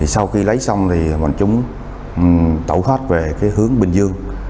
sau khi lấy xong thì bọn chúng tẩu thoát về hướng bình dương